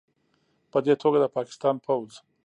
پدې توګه، د پاکستان پوځ